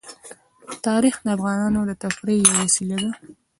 تاریخ د افغانانو د تفریح یوه وسیله ده.